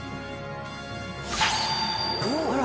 あら！